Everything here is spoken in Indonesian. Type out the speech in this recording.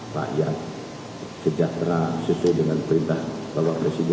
rakyat sejahtera sesuai dengan perintah bapak presiden